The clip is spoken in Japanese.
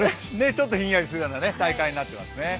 ちょっとひんやりするような体感になっていますね。